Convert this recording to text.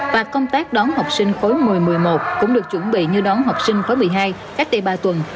và công tác đón học sinh khối một mươi một mươi một cũng được chuẩn bị như đón học sinh khóa một mươi hai cách đây ba tuần